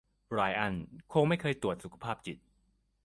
ไรอันคงไม่เคยตรวจสุจภาพจิต